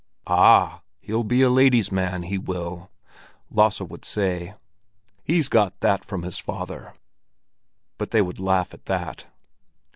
"Ah, he'll be a lady's man, he will!" Lasse would say. "He's got that from his father." But they would laugh at that.